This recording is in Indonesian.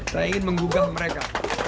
saya ingin menggugah mereka